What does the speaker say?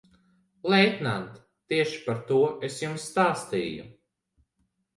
Leitnant, tieši par to es jums stāstīju.